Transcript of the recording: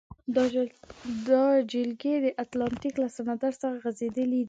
دا جلګې د اتلانتیک له سمندر څخه غزیدلې دي.